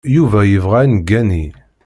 Yuba yebɣa ad neggani.